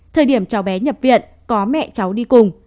thời điểm cháu bé nhập viện có mẹ cháu đi cùng